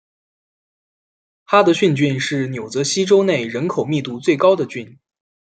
哈德逊郡是纽泽西州内人口密度最高的郡。